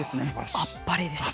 あっぱれでした。